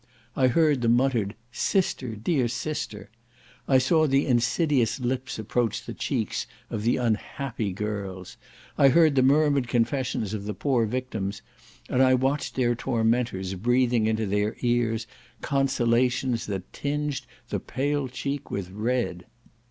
I heard the muttered "Sister! dear sister!" I saw the insidious lips approach the cheeks of the unhappy girls; I heard the murmured confessions of the poor victims, and I watched their tormentors, breathing into their ears consolations that tinged the pale cheek with red.